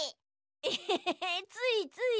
エヘヘついつい。